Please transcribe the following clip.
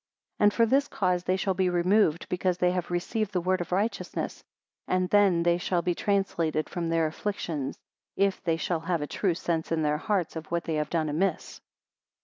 80 And for this cause they shall be removed, because they have received the word of righteousness: and then they shall be translated from their afflictions, if they shall have a true sense in their hearts of what they have done amiss.